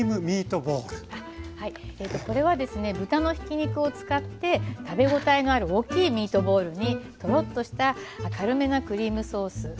これはですね豚のひき肉を使って食べ応えのある大きいミートボールにとろっとした軽めなクリームソース。